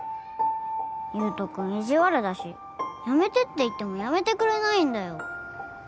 優斗君意地悪だしやめてって言ってもやめてくれないんだよ。